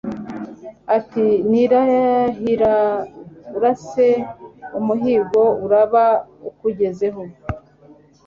ati nirahira urase, umuhigo uraba ukugezeho